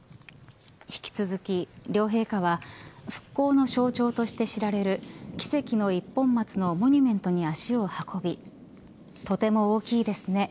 引き続き両陛下は復興の象徴として知られる奇跡の一本松のモニュメントに足を運びとても大きいですね